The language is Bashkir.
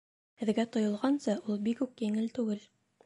Һеҙгә тойолғанса, ул бик үк еңел түгел